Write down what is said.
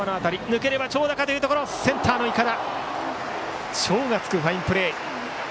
抜ければ長打かというところセンターの筏超がつくファインプレー。